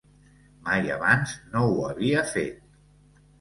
Mai abans no ho havia fet.